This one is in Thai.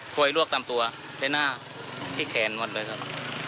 พวยเลือกตามตัวได้หน้าพิแคนหมดเลยครับ